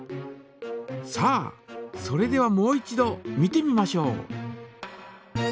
さあそれではもう一度見てみましょう。